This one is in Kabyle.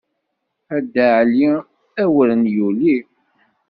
A Dda Ɛli awren yuli.